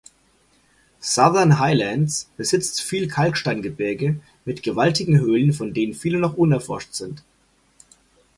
Southern Highlands besitzt viel Kalkstein-Gebirge mit gewaltigen Höhlen, von denen viele noch unerforscht sind.